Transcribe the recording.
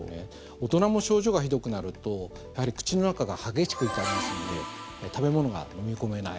大人も症状がひどくなると口の中が激しく痛みますので食べ物が飲み込めない